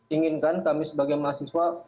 inginkan kami sebagai mahasiswa